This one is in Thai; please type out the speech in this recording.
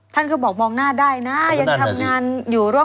ท่านก็บอกมองหน้าได้นะยังทำงานอยู่ร่วม